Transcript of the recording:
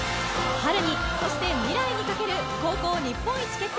春に、そして未来に翔る高校日本一決定